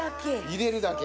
入れるだけ。